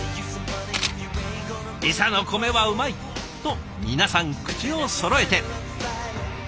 「伊佐の米はうまい！」と皆さん口をそろえて。